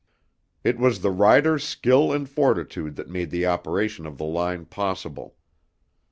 It was the riders' skill and fortitude that made the operation of the line possible.